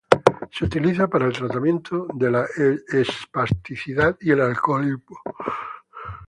Se utiliza para el tratamiento de la espasticidad y el alcoholismo.